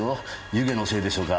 湯気のせいでしょうか